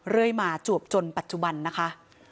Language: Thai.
เรื่อยมาจวบจนปัจจุบันนะคะ